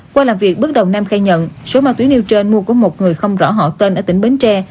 qua làm việc bước đầu nam khai nhận số ma túy nêu trên mua của một người không rõ họ tên ở tỉnh bến tre